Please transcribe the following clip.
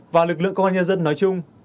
và lực lượng công an nhân dân nói chung